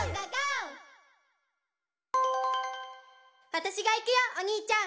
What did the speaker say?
「わたしが行くよおにいちゃん」